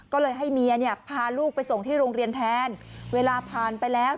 ก็เลยให้เมียเนี่ยพาลูกไปส่งที่โรงเรียนแทนเวลาผ่านไปแล้ว